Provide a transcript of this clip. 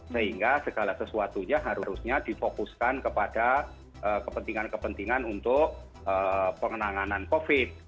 sehingga segala sesuatunya harusnya difokuskan kepada kepentingan kepentingan untuk penanganan covid